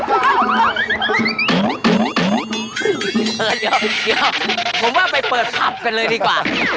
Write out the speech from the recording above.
โอ้โฮยอมผมว่าไปเปิดคับไปเลยดีกว่า